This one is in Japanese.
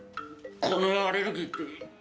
この世アレルギーって。